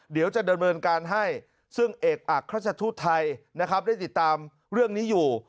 เดี๋ยวจะด่วนเมินการให้ซึ่งเอกอักครัชทุทธัยได้ติดตามเรื่องนี้อยู่